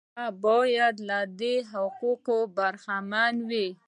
هغه باید له دې حقوقو برخمن وي.